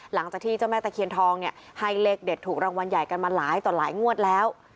หลังจากที่เจ้าแม่ตะเคียนทองเนี่ยให้เลขเด็ดถูกรางวัลใหญ่กันมาหลายต่อหลายงวดแล้ว